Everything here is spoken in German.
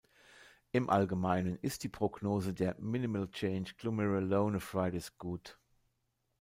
Im Allgemeinen ist die Prognose der Minimal-Change-Glomerulonephritis gut.